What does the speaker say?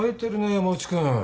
山内君。